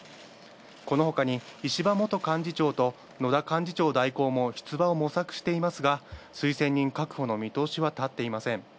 このほかに石破元幹事長と、野田幹事長代行も出馬を模索していますが、推薦人確保の見通しは立っていません。